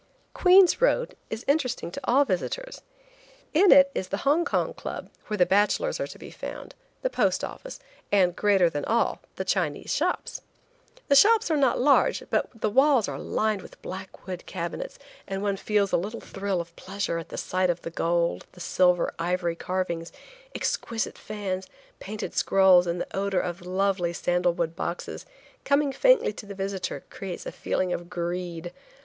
Queen's road is interesting to all visitors. In it is the Hong Kong Club, where the bachelors are to be found, the post office, and greater than all, the Chinese shops. The shops are not large, but the walls are lined with black wood cabinets, and one feels a little thrill of pleasure at the sight of the gold, the silver, ivory carvings, exquisite fans, painted scrolls and the odor of the lovely sandal wood boxes, coming faintly to the visitor, creates a feeling of greed.